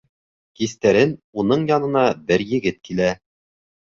Кистәрен уның янына бер егет килә.